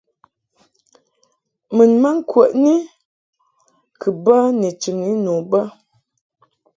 Mun ma ŋkwəni kɨ bə ni chɨŋni nu bə.